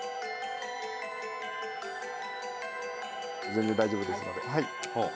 「全然大丈夫ですのではい」